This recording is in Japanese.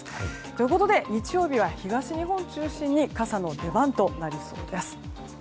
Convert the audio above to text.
ということで日曜日は東日本中心に傘の出番となりそうです。